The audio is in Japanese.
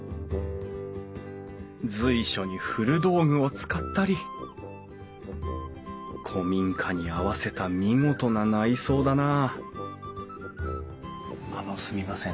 随所に古道具を使ったり古民家に合わせた見事な内装だなああのすみません。